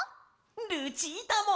ルチータも！